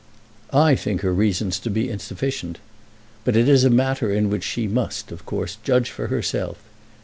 I think her reasons to be insufficient, but it is a matter in which she must, of course, judge for herself.